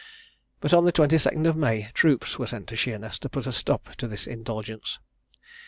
But, on the 22d of May, troops were sent to Sheerness to put a stop to this indulgence.